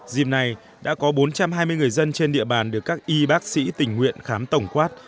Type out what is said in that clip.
dìm này đã có bốn trăm hai mươi người dân trên địa bàn được các y bác sĩ tình nguyện khám tổng quát